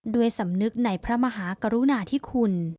ด้วยสำนึกในพระมหากรุณาธิคุณ